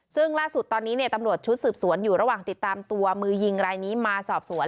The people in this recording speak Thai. ซึ่งล่าสุดตอนนี้ตำรวจชุดสืบสวนอยู่ระหว่างติดตามตัวมือยิงรายนี้มาสอบสวน